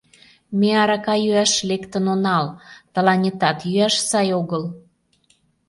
Ме арака йӱаш лектын онал, тыланетат йӱаш сай огыл...